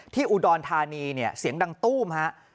อุดรธานีเนี่ยเสียงดังตู้มฮะ